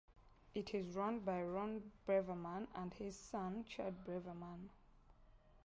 It is run by Ron Braverman and his son Chad Braverman.